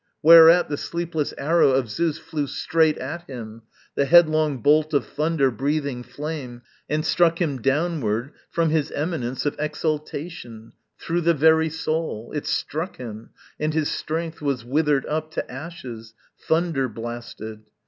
Whereat, The sleepless arrow of Zeus flew straight at him, The headlong bolt of thunder breathing flame, And struck him downward from his eminence Of exultation; through the very soul, It struck him, and his strength was withered up To ashes, thunder blasted.